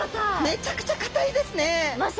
めちゃくちゃ硬いですね。